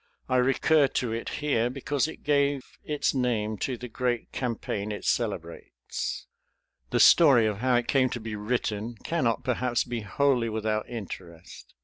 I recur to it here because it gave its name to the great campaign it celebrates. The story of how it came to be written cannot perhaps be wholly without interest.